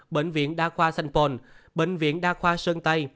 bệnh viện đa khoa sanpon bệnh viện đa khoa sơn tây